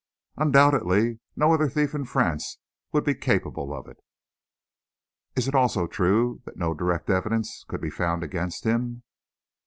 "Undoubtedly. No other thief in France would be capable of it." "Is it also true that no direct evidence could be found against him?"